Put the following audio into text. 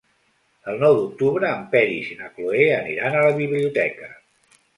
El nou d'octubre en Peris i na Cloè aniran a la biblioteca.